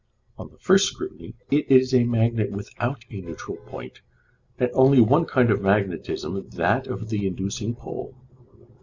On the first scrutiny it is a magnet without a neutral point, and only one kind of magnetism namely, that of the inducing pole.